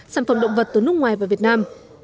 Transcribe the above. sản phẩm động vật từ nước ngoài vào việt nam